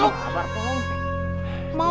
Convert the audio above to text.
tunggu sabar pom